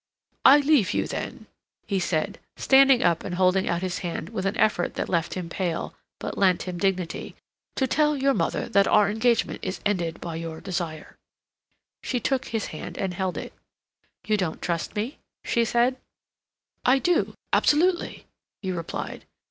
"I leave you, then," he said, standing up and holding out his hand with an effort that left him pale, but lent him dignity, "to tell your mother that our engagement is ended by your desire." She took his hand and held it. "You don't trust me?" she said. "I do, absolutely," he replied.